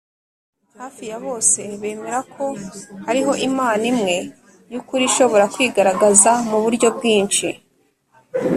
hafi ya bose bemera ko hariho imana imwe y’ukuri ishobora kwigaragaza mu buryo bwinshi